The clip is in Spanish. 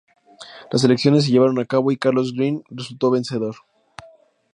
Las elecciones se llevaron a cabo y Carlos Greene resultó vencedor.